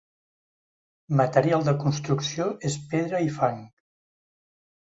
Material de construcció és pedra i fang.